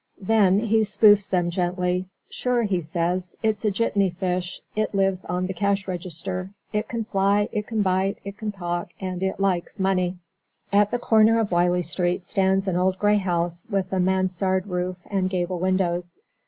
Then he spoofs them gently. "Sure," he says, "it's a jitney fish. It lives on the cash register. It can fly, it can bite, it can talk, and it likes money." At the corner of Wylie Street stands an old gray house with a mansard roof and gable windows.